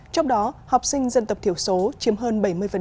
trong đó học sinh dân tộc thiểu số chiếm hơn bảy mươi